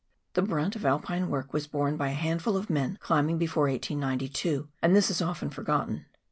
The brunt of Alpine work was borne by a handful of men climbing before 1892, and this is often forgotten.